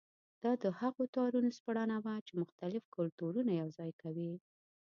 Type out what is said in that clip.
دا د هغو تارونو سپړنه وه چې مختلف کلتورونه یوځای کوي.